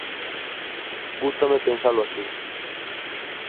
Gústame pensalo así.